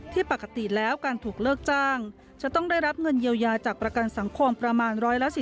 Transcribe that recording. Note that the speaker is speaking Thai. ปกติแล้วการถูกเลิกจ้างจะต้องได้รับเงินเยียวยาจากประกันสังคมประมาณ๑๔๐